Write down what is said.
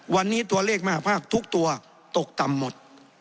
วันนี้ตัวเลขมหาภาคทุกตัวตกต่ำหมด